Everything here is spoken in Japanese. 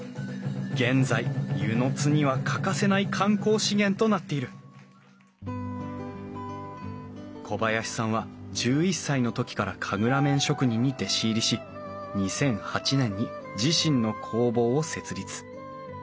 現在温泉津には欠かせない観光資源となっている小林さんは１１歳の時から神楽面職人に弟子入りし２００８年に自身の工房を設立。